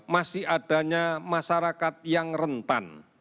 masih adanya masyarakat yang rentan